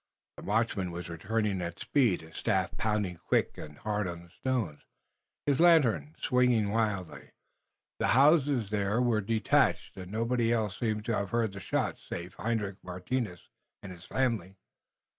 The watchman was returning at speed, his staff pounding quick and hard on the stones, his lantern swinging wildly. The houses there were detached and nobody else seemed to have heard the shots, save Hendrik Martinus and his family.